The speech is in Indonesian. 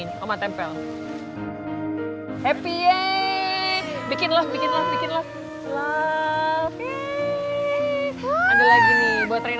sama tempel happy ye bikinlah bikinlah bikinlah